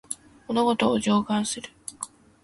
物事を静観する